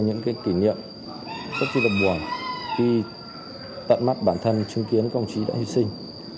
những kỷ niệm rất là buồn khi tận mắt bản thân chứng kiến công trí đã hy sinh